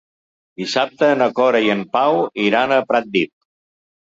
Dissabte na Cora i en Pau iran a Pratdip.